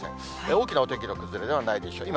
大きなお天気の崩れではないでしょう。